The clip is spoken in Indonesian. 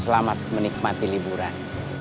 selamat menikmati liburan